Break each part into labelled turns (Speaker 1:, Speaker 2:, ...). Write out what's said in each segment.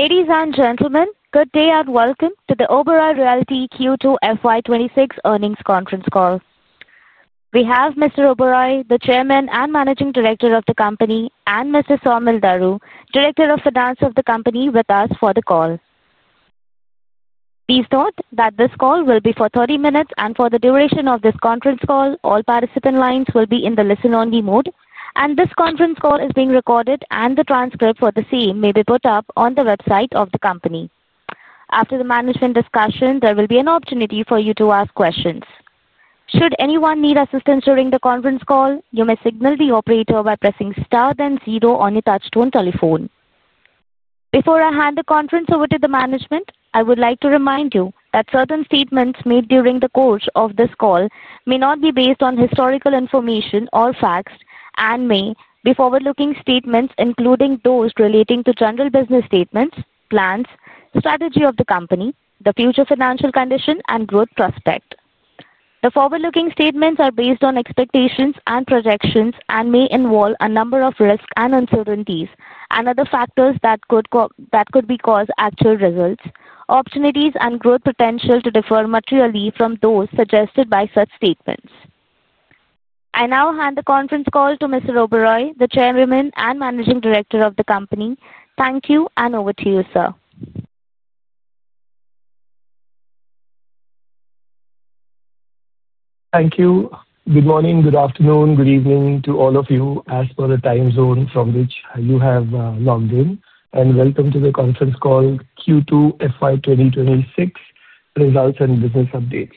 Speaker 1: Ladies and gentlemen, good day and welcome to the Oberoi Realty Q2 FY 2026 earnings conference call. We have Mr. Oberoi, the Chairman and Managing Director of the company, and Mr. Saumil Daru, Director of Finance of the company, with us for the call. Please note that this call will be for 30 minutes and for the duration of this conference call, all participant lines will be in the listen-only mode, and this conference call is being recorded and the transcript for the same may be put up on the website of the company. After the management discussion, there will be an opportunity for you to ask questions. Should anyone need assistance during the conference call, you may signal the operator by pressing star, then zero on your touch-tone telephone. Before I hand the conference over to the management, I would like to remind you that certain statements made during the course of this call may not be based on historical information or facts and may be forward-looking statements, including those relating to general business statements, plans, the strategy of the company, the future financial condition, and growth prospect. The forward-looking statements are based on expectations and projections and may involve a number of risks and uncertainties and other factors that could cause actual results, opportunities, and growth potential to differ materially from those suggested by such statements. I now hand the conference call to Mr. Oberoi, the Chairman and Managing Director of the company. Thank you and over to you, sir.
Speaker 2: Thank you. Good morning, good afternoon, good evening to all of you as per the time zone from which you have logged in. Welcome to the conference call Q2 FY 2026 results and business updates.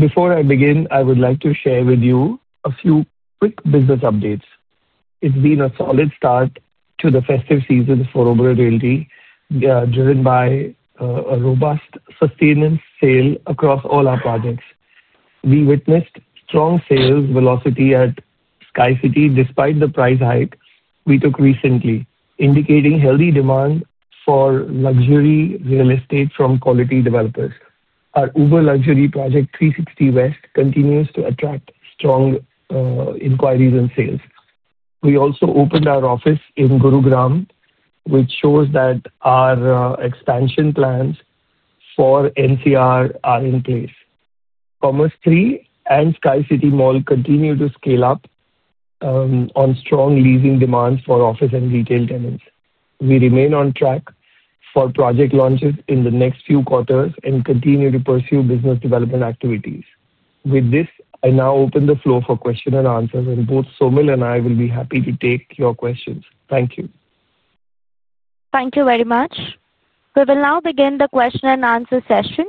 Speaker 2: Before I begin, I would like to share with you a few quick business updates. It's been a solid start to the festive season for Oberoi Realty, driven by a robust sustainable sale across all our projects. We witnessed strong sales velocity at Sky City despite the price hike we took recently, indicating healthy demand for luxury real estate from quality developers. Our uber luxury project Three Sixty West continues to attract strong inquiries and sales. We also opened our office in Gurugram, which shows that our expansion plans for NCR are in place. Commerz III and Sky City Mall continue to scale up on strong leasing demands for office and retail tenants. We remain on track for project launches in the next few quarters and continue to pursue business development activities. With this, I now open the floor for question and answer, and both Saumil and I will be happy to take your questions. Thank you.
Speaker 1: Thank you very much. We will now begin the question and answer session.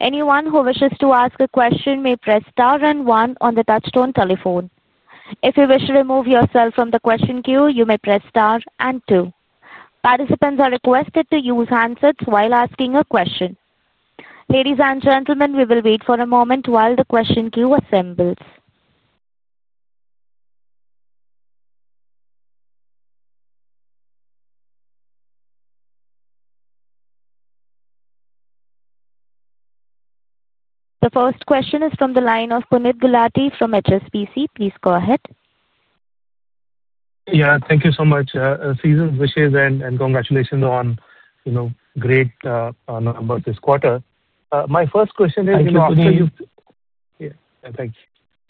Speaker 1: Anyone who wishes to ask a question may press star and one on the touch-tone telephone. If you wish to remove yourself from the question queue, you may press star and two. Participants are requested to use handsets while asking a question. Ladies and gentlemen, we will wait for a moment while the question queue assembles. The first question is from the line of Puneet Gulati from HSBC. Please go ahead.
Speaker 3: Yeah, thank you so much. Seasonal wishes and congratulations on, you know, great numbers this quarter. My first question is, you know, after you've.
Speaker 2: Thank you, Puneet.
Speaker 3: Thank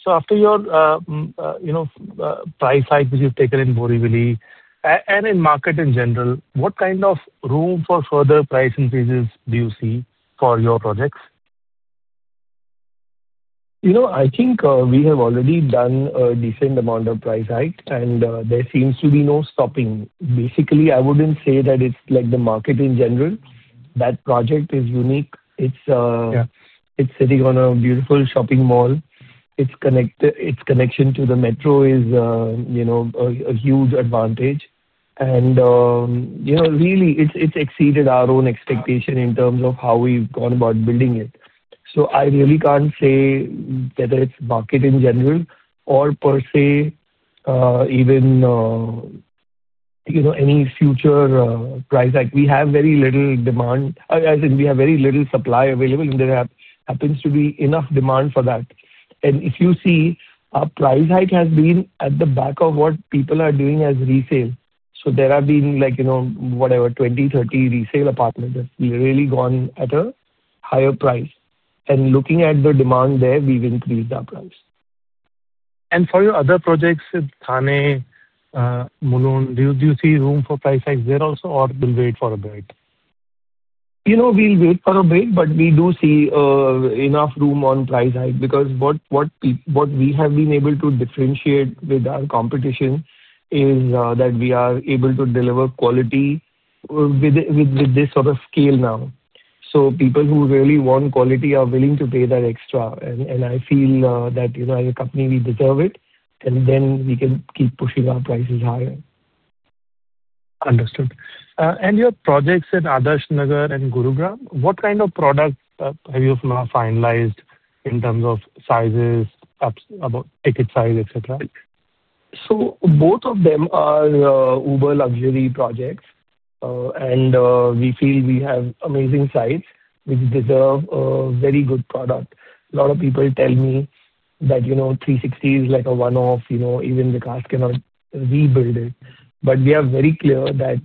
Speaker 3: you. After your price hike which you've taken in Borivali and in the market in general, what kind of room for further price increases do you see for your projects?
Speaker 2: I think we have already done a decent amount of price hike, and there seems to be no stopping. Basically, I wouldn't say that it's like the market in general. That project is unique. It's sitting on a beautiful shopping mall. Its connection to the metro is a huge advantage. It's exceeded our own expectation in terms of how we've gone about building it. I really can't say whether it's market in general or per se, even any future price hike. We have very little supply available, and there happens to be enough demand for that. If you see, our price hike has been at the back of what people are doing as resale. There have been 20-30 resale apartments that have literally gone at a higher price. Looking at the demand there, we've increased our price.
Speaker 3: For your other projects, Thane, Mulund, do you see room for price hikes there also, or will we wait for a bit?
Speaker 2: We'll wait for a bit, but we do see enough room on price hike because what we have been able to differentiate with our competition is that we are able to deliver quality with this sort of scale now. People who really want quality are willing to pay that extra. I feel that, as a company, we deserve it, and we can keep pushing our prices higher.
Speaker 3: Understood. Your projects in Adarsh Nagar and Gurugram, what kind of products have you finalized in terms of sizes, perhaps about ticket size, etc.?
Speaker 2: Both of them are uber luxury projects, and we feel we have amazing sites which deserve a very good product. A lot of people tell me that, you know, Three Sixty West is like a one-off. You know, even the cast cannot rebuild it. We are very clear that,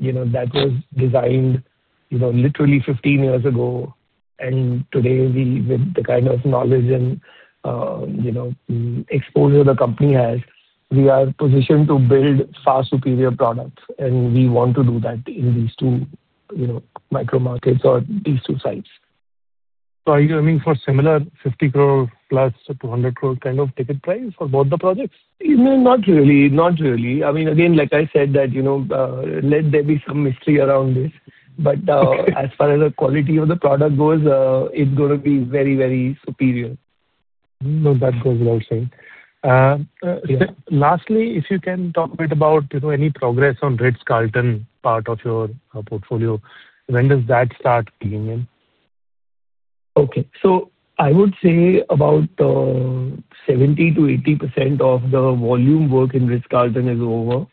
Speaker 2: you know, that was designed, you know, literally 15 years ago. Today, with the kind of knowledge and, you know, exposure the company has, we are positioned to build far superior products. We want to do that in these two micro-markets or these two sites.
Speaker 3: Are you aiming for a similar 50+ crore to 200 crore kind of ticket price for both the projects?
Speaker 2: No, not really. I mean, like I said, let there be some mystery around this. As far as the quality of the product goes, it's going to be very, very superior.
Speaker 3: No, that goes without saying. Lastly, if you can talk a bit about, you know, any progress on Ritz-Carlton part of your portfolio, when does that start kicking in?
Speaker 2: Okay. I would say about 70%-80% of the volume work in Ritz-Carlton hotel is over.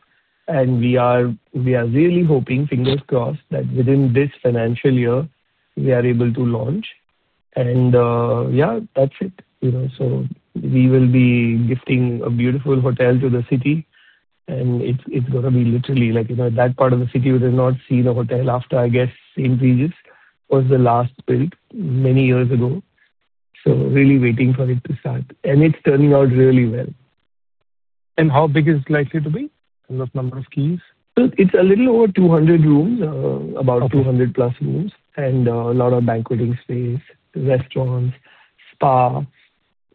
Speaker 2: We are really hoping, fingers crossed, that within this financial year, we are able to launch. That's it. We will be gifting a beautiful hotel to the city. It's going to be literally like, you know, that part of the city would have not seen a hotel after, I guess, St. Regis was the last built many years ago. Really waiting for it to start. It's turning out really well.
Speaker 3: How big is it likely to be in the number of keys?
Speaker 2: It's a little over 200 rooms, about 200+ rooms, and a lot of banqueting space, restaurants,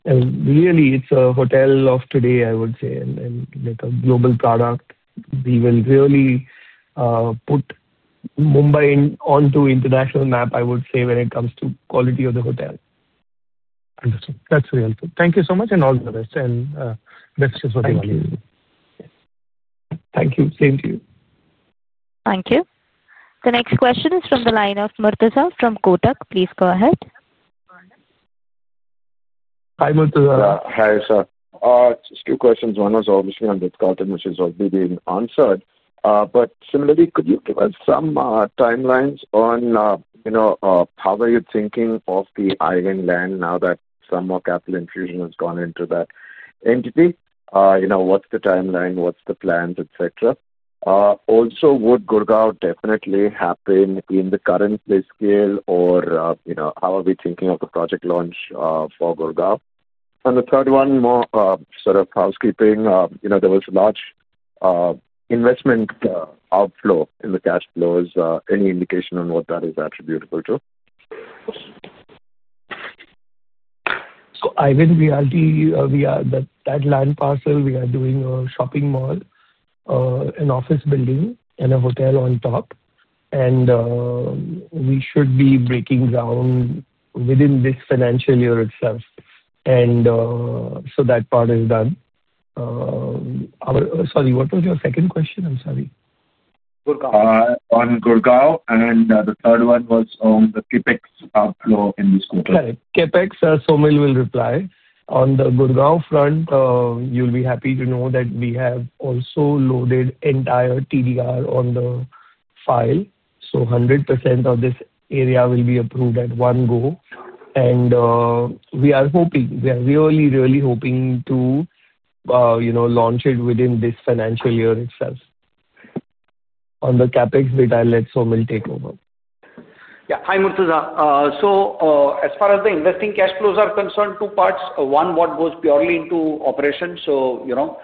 Speaker 2: spa. It's a hotel of today, I would say. Like a global product, we will really put Mumbai onto the international map, I would say, when it comes to the quality of the hotel.
Speaker 3: Understood. That's very helpful. Thank you so much and all the best. And best to Saumil.
Speaker 2: Thank you. Same to you.
Speaker 1: Thank you. The next question is from the line of Murtaza from Kotak. Please go ahead.
Speaker 2: Hi, Murtaza.
Speaker 4: Hi, sir. Just two questions. One was obviously on Ritz-Carlton, which is already being answered. Similarly, could you give us some timelines on, you know, how are you thinking of the [Alibaug] land now that some more capital infusion has gone into that entity? You know, what's the timeline? What's the plans, etc.? Also, would Gurgaon definitely happen in the current place scale or, you know, how are we thinking of the project launch for Gurgaon? The third one, more sort of housekeeping, you know, there was a large investment outflow in the cash flows. Any indication on what that is attributable to?
Speaker 2: [Alibaug] Realty, we are that land parcel. We are doing a shopping mall, an office building, and a hotel on top. We should be breaking ground within this financial year itself. That part is done. Sorry, what was your second question? I'm sorry.
Speaker 4: On Gurgaon. The third one was on the CapEx outflow in this quarter.
Speaker 2: Correct. CapEx, Saumil will reply. On the Gurgaon front, you'll be happy to know that we have also loaded entire TDR on the file. 100% of this area will be approved at one go. We are really, really hoping to, you know, launch it within this financial year itself. On the CapEx bit, I'll let Saumil take over.
Speaker 5: Yeah. Hi, Murtaza. As far as the investing cash flows are concerned, two parts. One, what goes purely into operations. For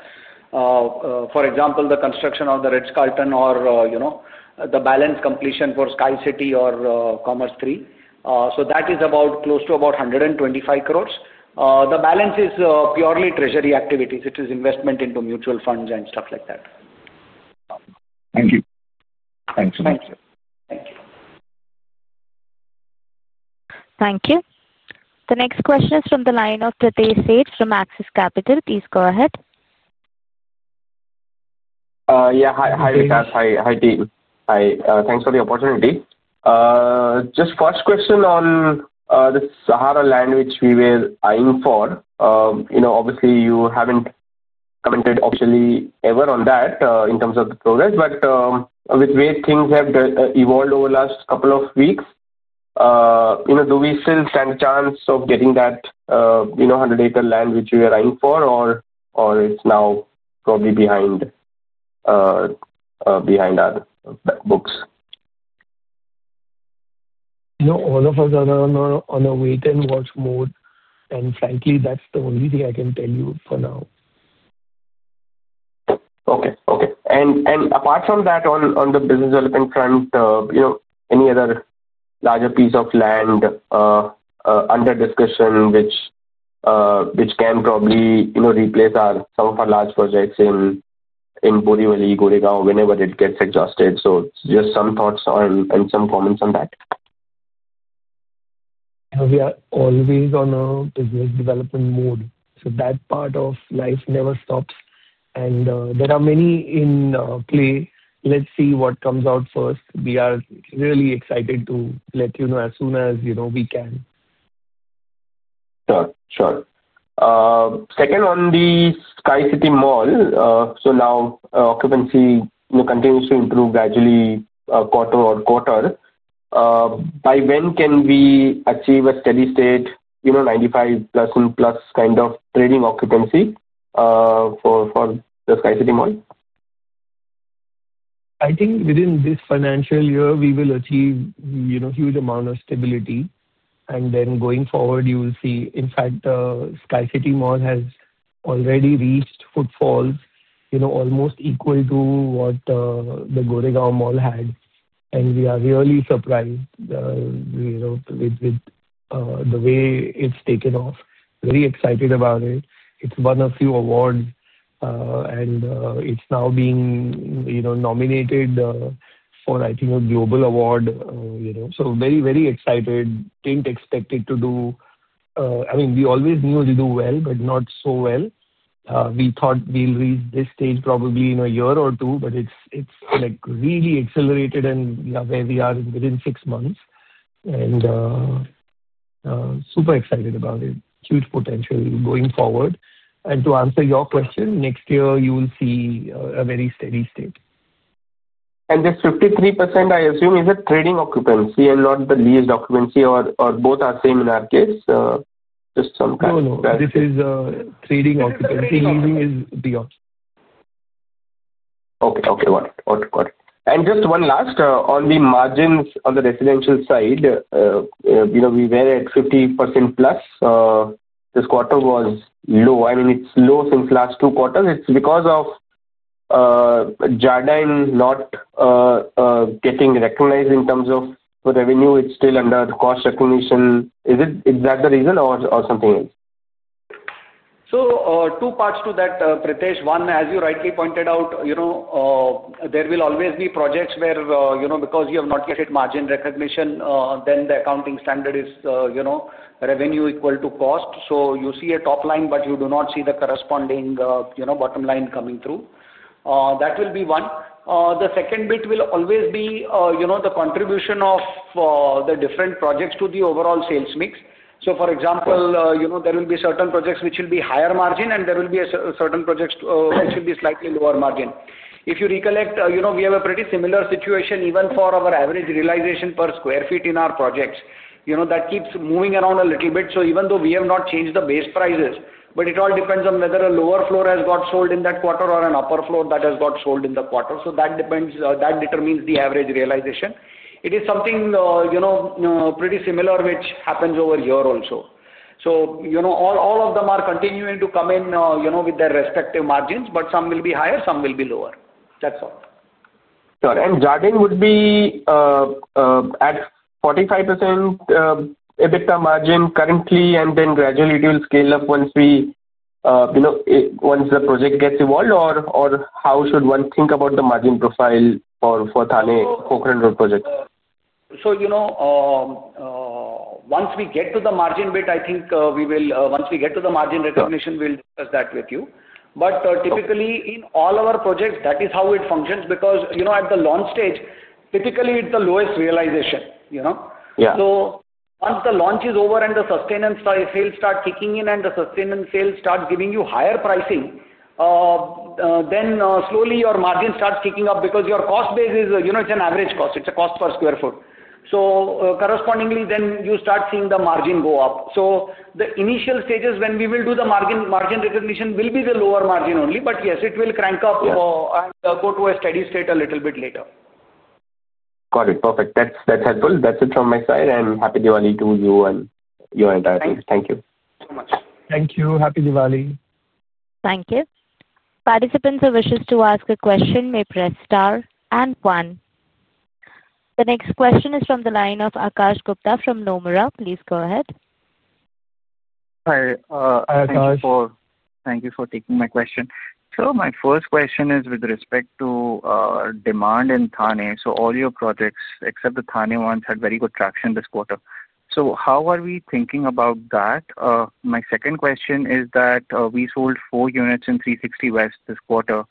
Speaker 5: example, the construction of the Ritz-Carlton hotel or the balance completion for Sky City or Commerz III. That is about close to 125 crore. The balance is purely treasury activities. It is investment into mutual funds and stuff like that.
Speaker 4: Thank you.
Speaker 2: Thanks so much.
Speaker 5: Thank you.
Speaker 1: Thank you. The next question is from the line of Pritesh Sheth from Axis Capital. Please go ahead.
Speaker 6: Yeah. Hi, Vikas. Hi, hi team. Hi. Thanks for the opportunity. First question on the Sahara land which we were eyeing for. You know, obviously, you haven't commented officially ever on that in terms of the progress. With the way things have evolved over the last couple of weeks, do we still stand a chance of getting that 100-acre land which we were eyeing for, or it's now probably behind our books?
Speaker 2: No, all of us are on a wait-and-watch mode. Frankly, that's the only thing I can tell you for now.
Speaker 6: Okay. Okay. Apart from that, on the business development front, you know, any other larger piece of land under discussion which can probably, you know, replace some of our large projects in Borivali, Gurugram, whenever it gets adjusted? Just some thoughts and some comments on that.
Speaker 2: We are always on a business development mode. That part of life never stops. There are many in play. Let's see what comes out first. We are really excited to let you know as soon as, you know, we can.
Speaker 6: Sure. Second, on the Sky City Mall, occupancy continues to improve gradually quarter on quarter. By when can we achieve a steady state, you know, 95% plus kind of trading occupancy for the Sky City Mall?
Speaker 2: I think within this financial year, we will achieve a huge amount of stability. Going forward, you will see, in fact, Sky City Mall has already reached footfalls almost equal to what the Gurugram Mall had. We are really surprised with the way it's taken off. Very excited about it. It's won a few awards, and it's now being nominated for, I think, a global award. Very, very excited. Didn't expect it to do, I mean, we always knew it would do well, but not so well. We thought we'd reach this stage probably in a year or two, but it's really accelerated. We are where we are within six months and super excited about it. Huge potential going forward. To answer your question, next year, you will see a very steady state.
Speaker 6: This 53%, I assume, is a trading occupancy and not the lease occupancy, or both are same in our case? Just some kind of.
Speaker 2: No, no. This is a trading occupancy. Leasing is the option.
Speaker 6: Okay. Got it. Just one last, on the margins on the residential side, you know, we were at 50%+. This quarter was low. I mean, it's low since last two quarters. It's because of Jardin not getting recognized in terms of revenue. It's still under the cost recognition. Is that the reason or something else?
Speaker 5: Two parts to that, Pritesh. One, as you rightly pointed out, there will always be projects where, because you have not yet hit margin recognition, the accounting standard is revenue equal to cost. You see a top line, but you do not see the corresponding bottom line coming through. That will be one. The second bit will always be the contribution of the different projects to the overall sales mix. For example, there will be certain projects which will be higher margin, and there will be certain projects which will be slightly lower margin. If you recollect, we have a pretty similar situation even for our average realization per square feet in our projects. That keeps moving around a little bit. Even though we have not changed the base prices, it all depends on whether a lower floor has got sold in that quarter or an upper floor that has got sold in the quarter. That determines the average realization. It is something pretty similar which happens over year also. All of them are continuing to come in with their respective margins, but some will be higher, some will be lower. That's all.
Speaker 6: Got it. Jardin would be at 45% EBITDA margin currently, and then gradually, it will scale up once the project gets evolved. How should one think about the margin profile for the Thane Pokhran Road project?
Speaker 5: Once we get to the margin bit, I think we will, once we get to the margin recognition, we'll discuss that with you. Typically, in all of our projects, that is how it functions because at the launch stage, typically, it's the lowest realization. Once the launch is over and the sustainable sales start kicking in and the sustainable sales start giving you higher pricing, then slowly your margin starts kicking up because your cost base is an average cost. It's a cost per square foot. Correspondingly, then you start seeing the margin go up. The initial stages when we will do the margin recognition will be the lower margin only. Yes, it will crank up and go to a steady state a little bit later.
Speaker 6: Got it. Perfect. That's helpful. That's it from my side. Happy Diwali to you and your entire team.
Speaker 5: Thank you so much.
Speaker 2: Thank you. Happy Diwali.
Speaker 1: Thank you. Participants who wish to ask a question may press star and one. The next question is from the line of Akash Gupta from Nomura. Please go ahead.
Speaker 2: Hi, Akash.
Speaker 7: Thank you for taking my question. My first question is with respect to demand in Thane. All your projects, except the Thane ones, had very good traction this quarter. How are we thinking about that? My second question is that we sold four units in Three Sixty West this quarter.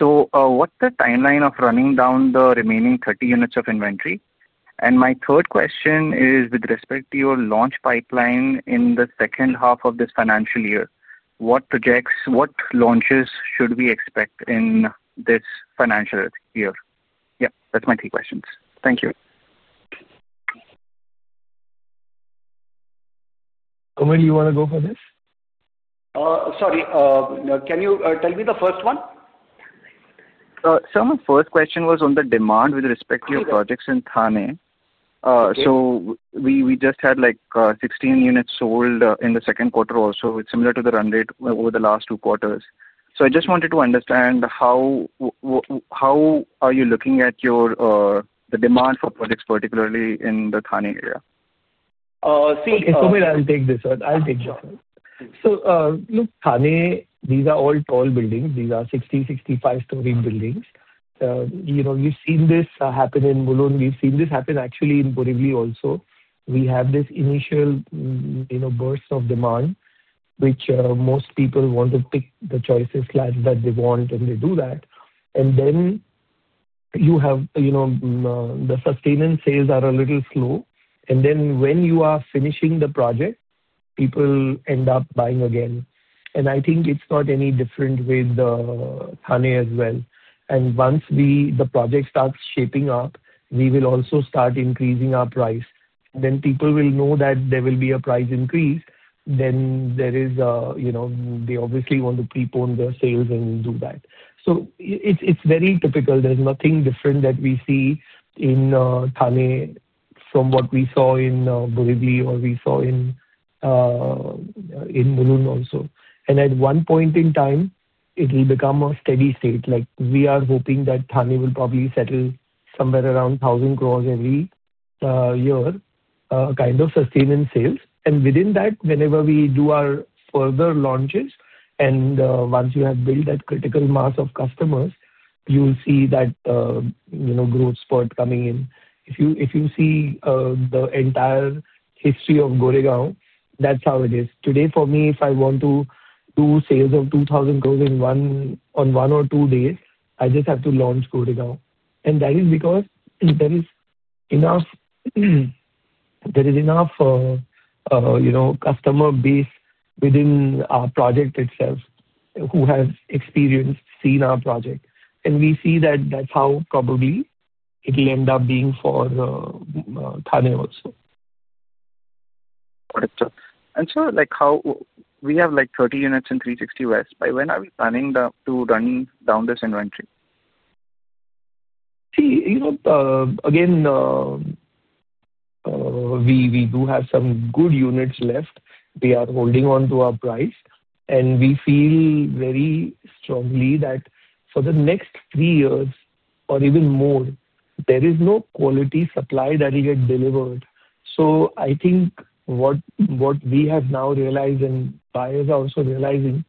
Speaker 7: What's the timeline of running down the remaining 30 units of inventory? My third question is with respect to your launch pipeline in the second half of this financial year. What projects, what launches should we expect in this financial year? That's my three questions. Thank you.
Speaker 2: Saumil, you want to go for this?
Speaker 5: Sorry, can you tell me the first one?
Speaker 7: My first question was on the demand with respect to your projects in Thane. We just had 16 units sold in the second quarter, also similar to the run rate over the last two quarters. I just wanted to understand how are you looking at your demand for projects, particularly in the Thane area?
Speaker 2: See, Saumil. I'll take this one. Look, Thane, these are all tall buildings. These are 60-65 story buildings. We've seen this happen in Mulund. We've seen this happen actually in Borivali also. We have this initial burst of demand, which most people want to pick the choices that they want, and they do that. Then you have the sustainable sales, which are a little slow. When you are finishing the project, people end up buying again. I think it's not any different with Thane as well. Once the project starts shaping up, we will also start increasing our price. People will know that there will be a price increase. There is, you know, they obviously want to prepone their sales and do that. It's very typical. There's nothing different that we see in Thane from what we saw in Borivali or we saw in Mulund also. At one point in time, it will become a steady state. We are hoping that Thane will probably settle somewhere around 1,000 crore every year, a kind of sustainable sales. Within that, whenever we do our further launches, and once you have built that critical mass of customers, you'll see that growth spurt coming in. If you see the entire history of Gurugram, that's how it is. Today, for me, if I want to do sales of 2,000 crore in one or two days, I just have to launch Gurugram. That is because there is enough customer base within our project itself who have experienced seeing our project. We see that that's how probably it will end up being for Thane also.
Speaker 7: Got it. Sir, like how we have like 30 units in Three Sixty West, by when are we planning to run down this inventory?
Speaker 2: See, you know, again, we do have some good units left. They are holding on to our price, and we feel very strongly that for the next three years or even more, there is no quality supply that will get delivered. I think what we have now realized and buyers are also realizing,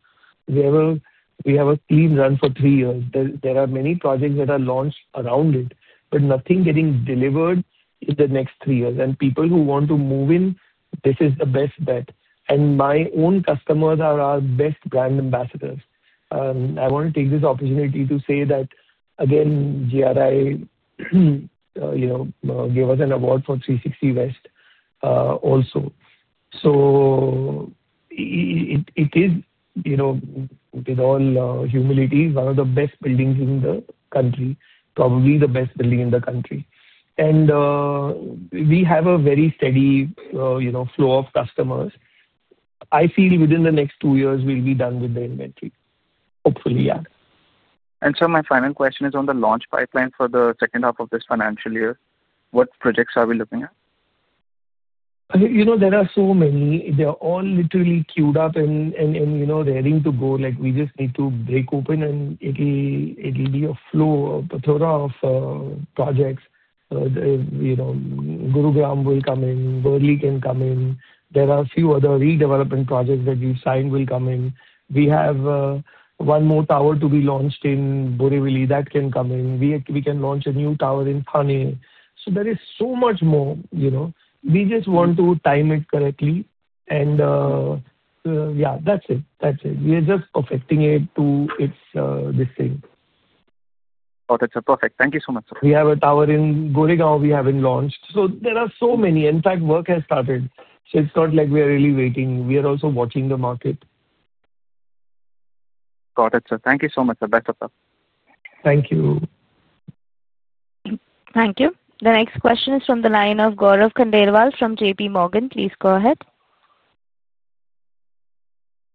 Speaker 2: we have a clean run for three years. There are many projects that are launched around it, but nothing getting delivered in the next three years. People who want to move in, this is the best bet. My own customers are our best brand ambassadors. I want to take this opportunity to say that, again, GRI, you know, gave us an award for Three Sixty West also. It is, you know, with all humility, one of the best buildings in the country, probably the best building in the country. We have a very steady, you know, flow of customers. I feel within the next two years, we'll be done with the inventory. Hopefully, yeah.
Speaker 7: Sir, my final question is on the launch pipeline for the second half of this financial year. What projects are we looking at?
Speaker 2: You know, there are so many. They're all literally queued up and, you know, ready to go. We just need to break open, and it'll be a flow, a plethora of projects. You know, Gurugram will come in. Borivali can come in. There are a few other redevelopment projects that we've signed will come in. We have one more tower to be launched in Borivali that can come in. We can launch a new tower in Thane. There is so much more, you know. We just want to time it correctly. Yeah, that's it. That's it. We're just perfecting it to its distinct.
Speaker 7: Got it, sir. Perfect. Thank you so much.
Speaker 2: We have a tower in Gurugram we haven't launched. There are so many. In fact, work has started. It's not like we are really waiting. We are also watching the market.
Speaker 7: Got it, sir. Thank you so much, sir. Best of luck.
Speaker 2: Thank you.
Speaker 1: Thank you. The next question is from the line of Gaurav Khandelwal from JPMorgan. Please go ahead.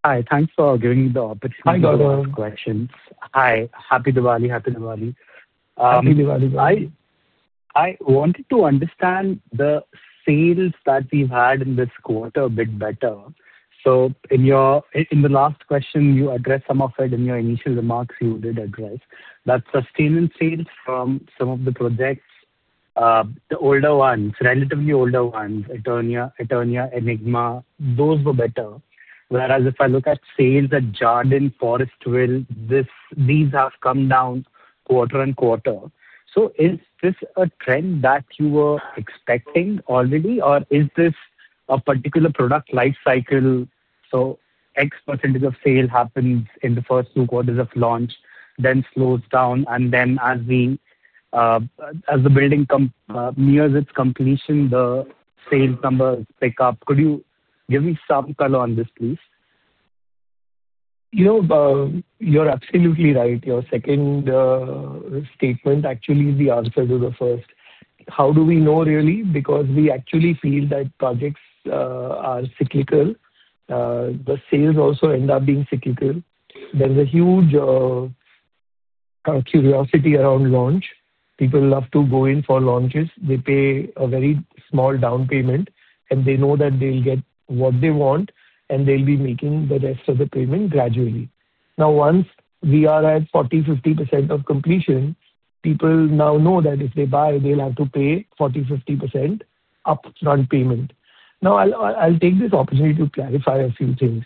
Speaker 8: Hi, thanks for giving me the opportunity to ask questions.
Speaker 2: Hi, Gaurav.
Speaker 8: Hi. Happy Diwali. Happy Diwali.
Speaker 2: Happy Diwali.
Speaker 8: I wanted to understand the sales that we've had in this quarter a bit better. In your last question, you addressed some of it in your initial remarks. You did address that sustainable sales from some of the projects, the older ones, relatively older ones, Eternia, Enigma, those were better. Whereas if I look at sales at Jardin, Forestville, these have come down quarter on quarter. Is this a trend that you were expecting already, or is this a particular product life cycle? X percentage of sales happens in the first two quarters of launch, then slows down. As the building nears its completion, the sales numbers pick up. Could you give me some color on this, please?
Speaker 2: You're absolutely right. Your second statement actually is the answer to the first. How do we know, really? Because we actually feel that projects are cyclical. The sales also end up being cyclical. There's a huge curiosity around launch. People love to go in for launches. They pay a very small down payment, and they know that they'll get what they want, and they'll be making the rest of the payment gradually. Now, once we are at 40%-50% of completion, people now know that if they buy, they'll have to pay 40%-50% upfront payment. Now, I'll take this opportunity to clarify a few things.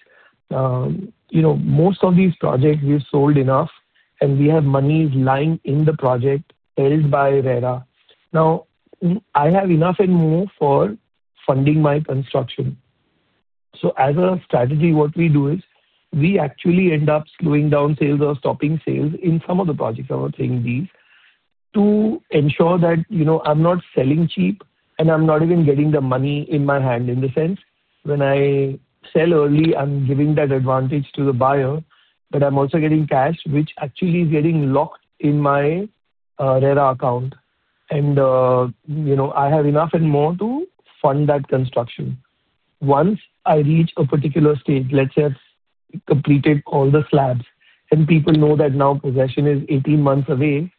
Speaker 2: You know, most of these projects, we've sold enough, and we have monies lying in the project held by RERA. Now, I have enough and more for funding my construction. As a strategy, what we do is we actually end up slowing down sales or stopping sales in some of the projects I was saying these to ensure that, you know, I'm not selling cheap and I'm not even getting the money in my hand. In the sense, when I sell early, I'm giving that advantage to the buyer, but I'm also getting cash, which actually is getting locked in my RERA account. You know, I have enough and more to fund that construction. Once I reach a particular stage, let's say I've completed all the slabs, and people know that now possession is 18 months away,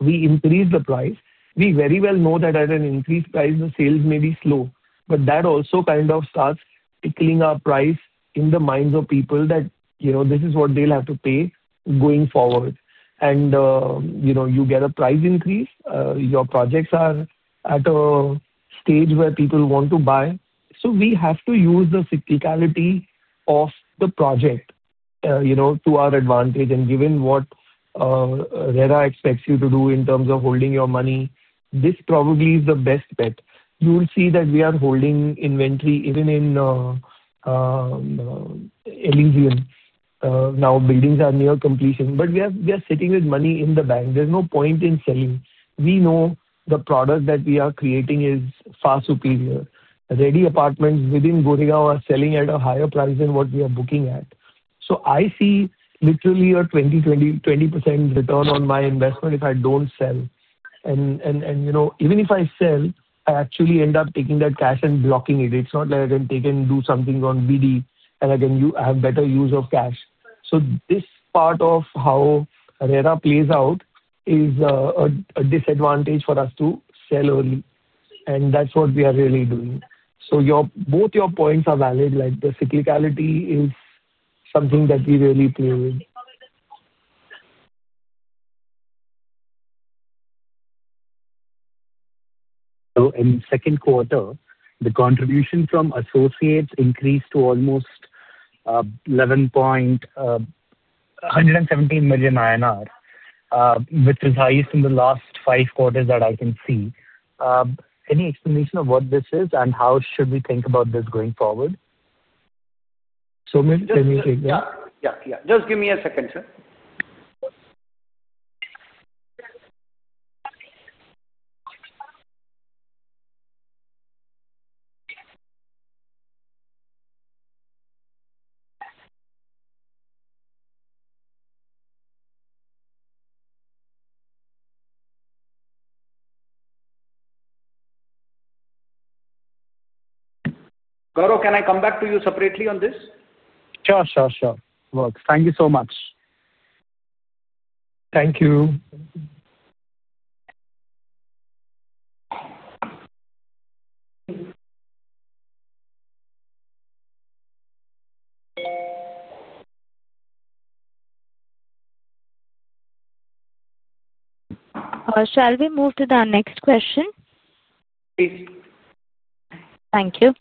Speaker 2: we increase the price. We very well know that at an increased price, the sales may be slow, but that also kind of starts tickling our price in the minds of people that, you know, this is what they'll have to pay going forward. You get a price increase. Your projects are at a stage where people want to buy. We have to use the cyclicality of the project, you know, to our advantage. Given what RERA expects you to do in terms of holding your money, this probably is the best bet. You'll see that we are holding inventory even in Elysian. Now, buildings are near completion, but we are sitting with money in the bank. There's no point in selling. We know the product that we are creating is far superior. Ready apartments within Gurugram are selling at a higher price than what we are booking at. I see literally a 20% return on my investment if I don't sell. Even if I sell, I actually end up taking that cash and blocking it. It's not like I can take and do something on BD, and I can have better use of cash. This part of how RERA plays out is a disadvantage for us to sell early. That's what we are really doing. Both your points are valid. The cyclicality is something that we really play with.
Speaker 8: In the second quarter, the contribution from associates increased to almost 117 million INR, which is highest in the last five quarters that I can see. Any explanation of what this is and how should we think about this going forward?
Speaker 2: Saumil, can you take that?
Speaker 5: Yeah, yeah. Just give me a second, sir. Gaurav, can I come back to you separately on this?
Speaker 8: Sure, sure, sure. Works. Thank you so much.
Speaker 2: Thank you.
Speaker 1: Shall we move to the next question?
Speaker 5: Please.
Speaker 1: Thank you.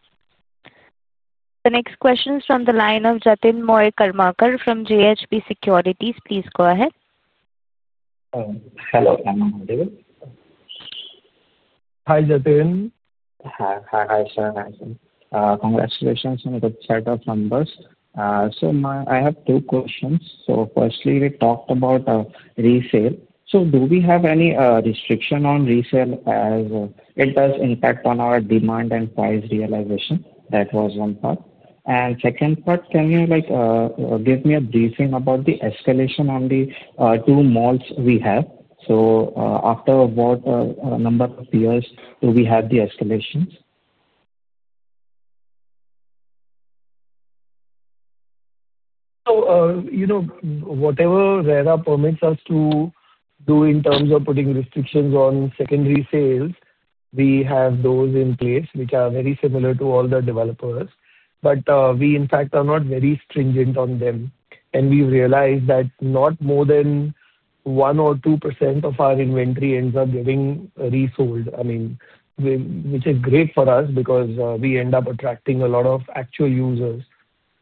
Speaker 1: The next question is from the line of Jatinmoy Karmakar from JHP Securities. Please go ahead.
Speaker 9: Hello. Am I audible?.
Speaker 2: Hi, Jatin.
Speaker 9: Hi, sir. Nice one. Congratulations on the chart of numbers. I have two questions. Firstly, we talked about resale. Do we have any restriction on resale as it does impact our demand and price realization? That was one part. The second part, can you give me a briefing about the escalation on the two malls we have? After what number of years do we have the escalations?
Speaker 2: Whatever RERA permits us to do in terms of putting restrictions on secondary sales, we have those in place, which are very similar to all the developers. We, in fact, are not very stringent on them. We've realized that not more than 1% or 2% of our inventory ends up getting resold, which is great for us because we end up attracting a lot of actual users.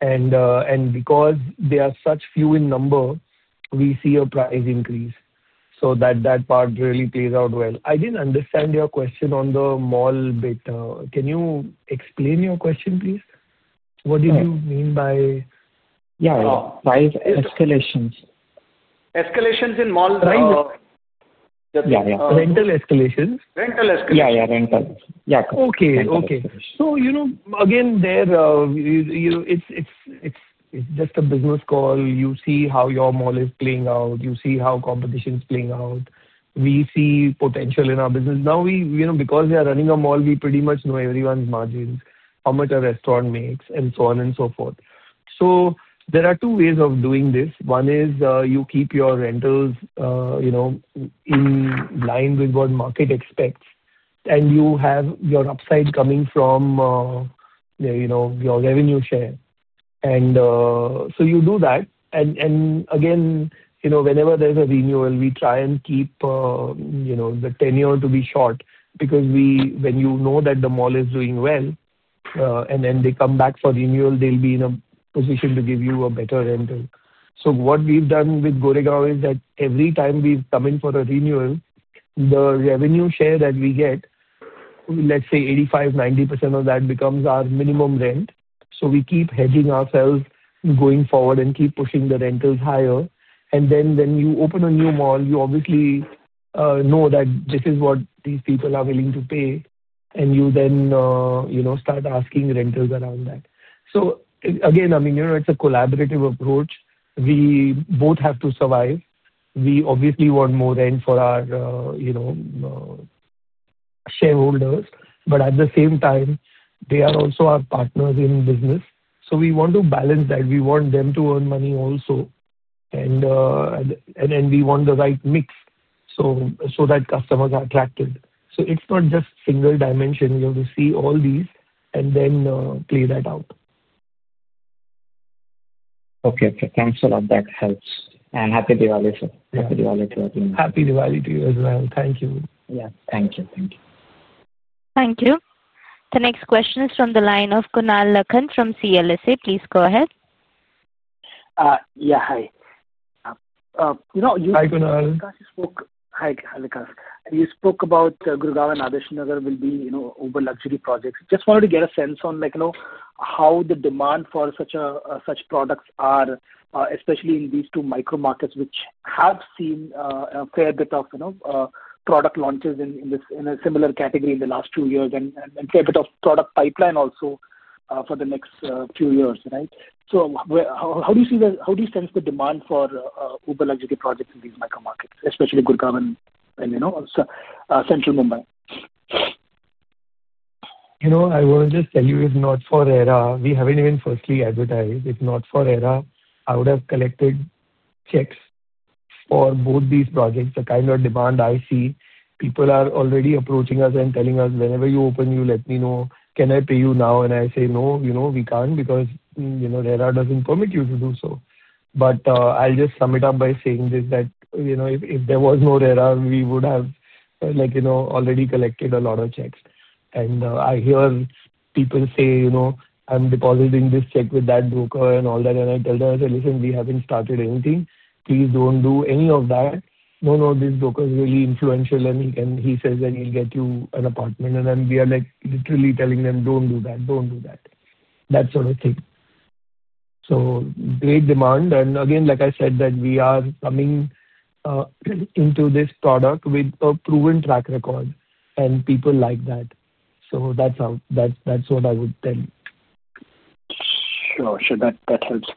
Speaker 2: Because they are such few in number, we see a price increase. That part really plays out well. I didn't understand your question on the mall bit. Can you explain your question, please? What did you mean by?
Speaker 9: Yeah, price escalations.
Speaker 5: Escalations in malls.
Speaker 2: Rental escalations.
Speaker 5: Rental escalations.
Speaker 9: Yeah, rental. Yeah.
Speaker 2: Okay. It's just a business call. You see how your mall is playing out. You see how competition is playing out. We see potential in our business. Now, because we are running a mall, we pretty much know everyone's margins, how much a restaurant makes, and so on and so forth. There are two ways of doing this. One is you keep your rentals in line with what market expects, and you have your upside coming from your revenue share. You do that. Whenever there's a renewal, we try and keep the tenure to be short because when you know that the mall is doing well, and then they come back for renewal, they'll be in a position to give you a better rental. What we've done with Gurugram is that every time we've come in for a renewal, the revenue share that we get, let's say 85%-90% of that becomes our minimum rent. We keep hedging ourselves going forward and keep pushing the rentals higher. When you open a new mall, you obviously know that this is what these people are willing to pay. You then start asking rentals around that. It's a collaborative approach. We both have to survive. We obviously want more rent for our shareholders. At the same time, they are also our partners in business. We want to balance that. We want them to earn money also. We want the right mix so that customers are attracted. It's not just single dimension. You have to see all these and then play that out.
Speaker 9: Okay, thanks a lot. That helps. Happy Diwali too.
Speaker 2: Happy Diwali to you as well. Thank you.
Speaker 9: Thank you. Thank you.
Speaker 1: Thank you. The next question is from the line of Kunal Lakhan from CLSA. Please go ahead.
Speaker 10: Yeah, hi.
Speaker 2: Hi, Kunal.
Speaker 10: Hi, Vikas. You spoke about Gurgaon and Adarsh Nagar will be, you know, uber luxury projects. Just wanted to get a sense on, like, you know, how the demand for such products are, especially in these two micro-markets, which have seen a fair bit of, you know, product launches in a similar category in the last two years and a fair bit of product pipeline also for the next two years, right? How do you see the, how do you sense the demand for uber luxury projects in these micro-markets, especially Gurgaon and, you know, Central Mumbai?
Speaker 2: You know, I want to just tell you, if not for RERA, we haven't even firstly advertised. If not for RERA, I would have collected checks for both these projects. The kind of demand I see, people are already approaching us and telling us, "Whenever you open, you let me know. Can I pay you now?" I say, "No, you know, we can't because RERA doesn't permit you to do so." I'll just sum it up by saying this, that, you know, if there was no RERA, we would have, like, you know, already collected a lot of checks. I hear people say, "You know, I'm depositing this check with that broker," and all that. I tell them, I say, "Listen, we haven't started anything. Please don't do any of that. No, no, this broker is really influential, and he says that he'll get you an apartment." We are literally telling them, "Don't do that. Don't do that." That sort of thing. Great demand. Like I said, we are coming into this product with a proven track record and people like that. That's how, that's what I would tell you.
Speaker 10: Sure, sure. That helps.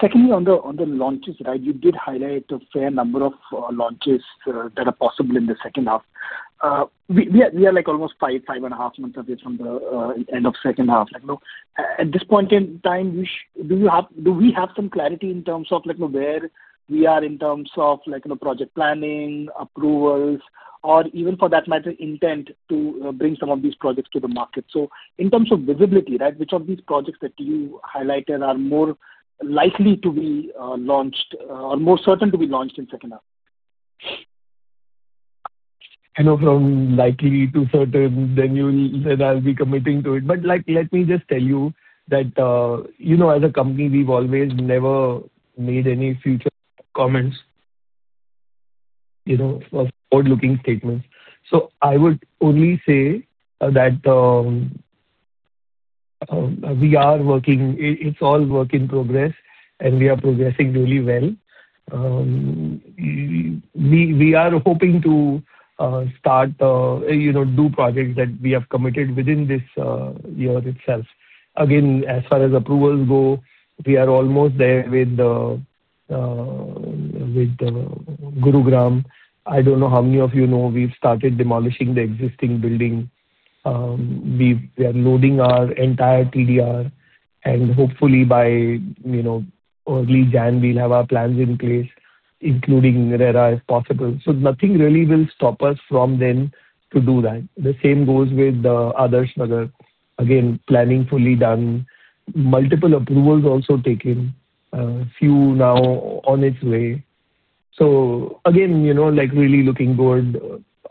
Speaker 10: Secondly, on the launches, you did highlight a fair number of launches that are possible in the second half. We are almost five, five and a half months away from the end of the second half. At this point in time, do we have some clarity in terms of where we are in terms of project planning, approvals, or even for that matter, intent to bring some of these projects to the market? In terms of visibility, which of these projects that you highlighted are more likely to be launched or more certain to be launched in the second half?
Speaker 2: I know from likely to certain, then you'll say that I'll be committing to it. Let me just tell you that, as a company, we've always never made any future comments, you know, forward-looking statements. I would only say that we are working. It's all work in progress, and we are progressing really well. We are hoping to start, you know, do projects that we have committed within this year itself. As far as approvals go, we are almost there with Gurugram. I don't know how many of you know we've started demolishing the existing building. We are loading our entire TDR, and hopefully, by early January, we'll have our plans in place, including RERA if possible. Nothing really will stop us from then to do that. The same goes with Adarsh Nagar. Planning fully done. Multiple approvals also taken. A few now on its way. Again, you know, like really looking good.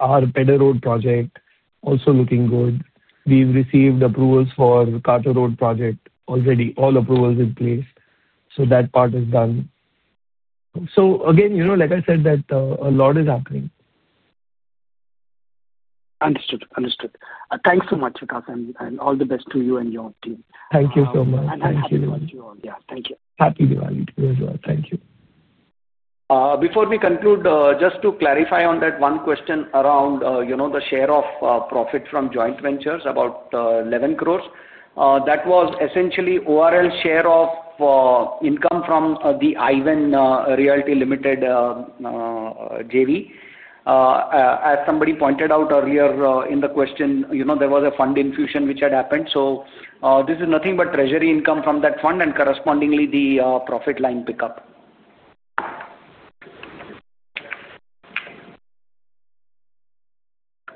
Speaker 2: Our Peddar Road project also looking good. We've received approvals for Khar Road project already. All approvals in place. That part is done. Like I said, a lot is happening.
Speaker 10: Understood. Thanks so much, Vikas. All the best to you and your team.
Speaker 2: Thank you so much.
Speaker 10: Happy Diwali to all. Thank you.
Speaker 2: Happy Diwali to you as well. Thank you.
Speaker 5: Before we conclude, just to clarify on that one question around the share of profit from joint ventures, about 11 crore, that was essentially ORL's share of income from the I-Ven Realty Limited JV. As somebody pointed out earlier in the question, there was a fund infusion which had happened. This is nothing but treasury income from that fund and correspondingly the profit line pickup.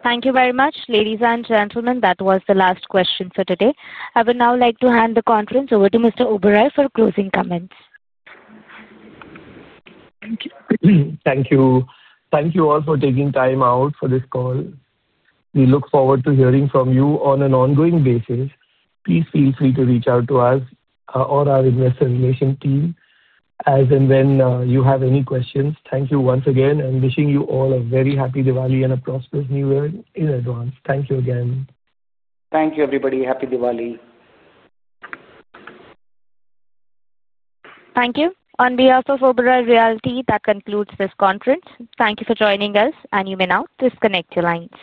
Speaker 1: Thank you very much. Ladies and gentlemen, that was the last question for today. I would now like to hand the conference over to Mr. Oberoi for closing comments.
Speaker 2: Thank you. Thank you. Thank you all for taking time out for this call. We look forward to hearing from you on an ongoing basis. Please feel free to reach out to us or our investor relation team as and when you have any questions. Thank you once again, and wishing you all a very Happy Diwali and a prosperous New Year in advance. Thank you again.
Speaker 5: Thank you, everybody. Happy Diwali.
Speaker 1: Thank you. On behalf of Oberoi Realty, that concludes this conference. Thank you for joining us, and you may now disconnect your lines.